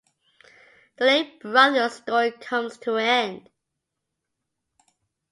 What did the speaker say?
The lay brother's story comes to an end.